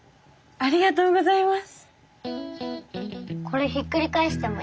ありがとうございます。